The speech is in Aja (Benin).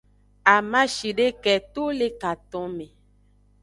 Amashideke to le katonme.